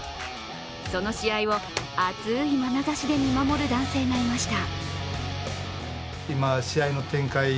その試合を、熱いまなざしで見守る男性がいました。